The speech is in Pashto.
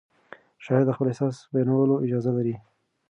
شاعر د خپل احساس بیانولو اجازه لري.